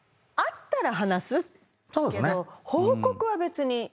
会ったら話すけど報告は別に。